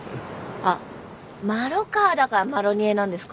あっ麻呂川だからマロニエなんですか？